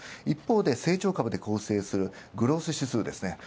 一方で成長株で上昇するグロース指数ですね